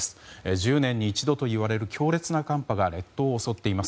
１０年に一度といわれる強烈な寒波が列島を襲っています。